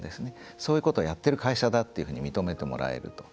そういうことをやっている会社だっていうふうに認めてもらえると。